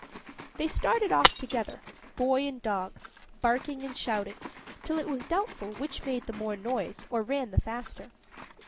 They started off together, boy and dog barking and shouting, till it was doubtful which made the more noise or ran the faster.